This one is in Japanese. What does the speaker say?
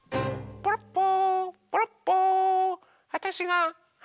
ポロッポー。